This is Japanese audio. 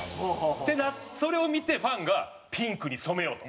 それを見てファンがピンクに染めようと。